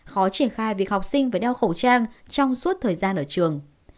khó triển khai việc học sinh phải đeo khẩu trang trong suốt thời gian ở trường